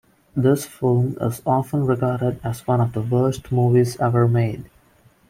This film is often regarded as one of the worst movies ever made.